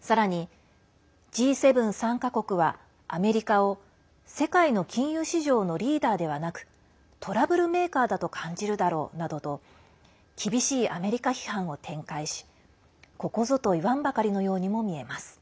さらにＧ７参加国はアメリカを世界の金融市場のリーダーではなくトラブルメーカーだと感じるだろうなどと厳しいアメリカ批判を展開しここぞといわんばかりのようにも見えます。